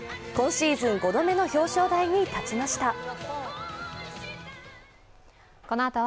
今シーズン５度目の表彰台に立ちました。